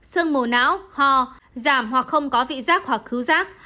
sơn mồ não ho giảm hoặc không có vị giác hoặc khứ giác